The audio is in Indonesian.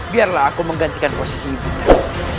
biarlah aku menggantikan posisi ibu ndaku